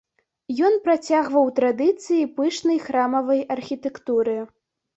Ён працягваў традыцыі пышнай храмавай архітэктуры.